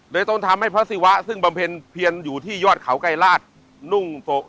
โดยต้องทำให้ภาษีวะซึ่งบำเพ็ญเพียนอยู่ที่ยอดเขาใกล้ราช